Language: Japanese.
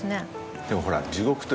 でもほら。